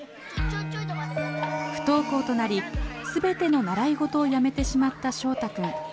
不登校となり全ての習い事をやめてしまったしょうたくん。